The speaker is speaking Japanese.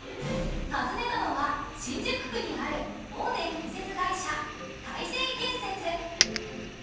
訪ねたのは新宿区にある大手建設会社大成建設